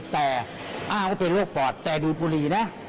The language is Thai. แต่อ้างว่าเป็นโรคปอดแต่ดูดบุหรี่นะ